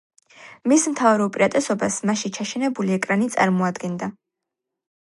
მის მთავარ უპირატესობას მასში ჩაშენებული ეკრანი წარმოადგენდა.